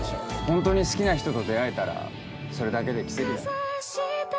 ホントに好きな人と出会えたらそれだけで奇跡だよ